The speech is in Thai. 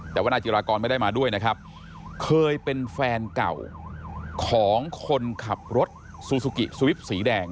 แต่ว่านายจิรากรไม่ได้มาด้วยนะครับเคยเป็นแฟนเก่าของคนขับรถซูซูกิสวิปสีแดง